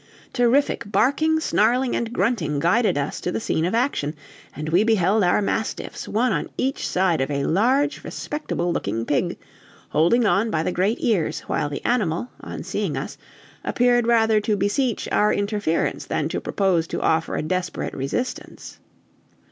Terrific barking, snarling, and grunting guided us to the scene of action, and we beheld our mastiffs one on each side of a large respectable looking pig, holding on by the great ears, while the animal, on seeing us, appeared rather to beseech our interference than to propose to offer a desperate resistance.